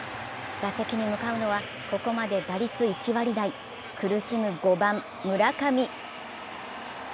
打席に向かうのはここまで打率１割台苦しむ５番・村上。